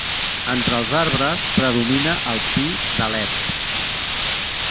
Entre els arbres predomina el pi d'Alep.